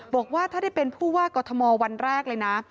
บอกว่าถ้าได้เป็นผู้ว่ากอทมวันแรกเลยนะ